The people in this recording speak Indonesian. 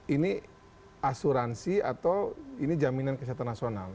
ini asuransi atau ini jaminan kesehatan nasional